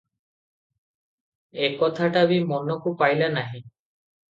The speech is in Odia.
ଏ କଥାଟା ବି ମନକୁ ପାଇଲା ନାହିଁ ।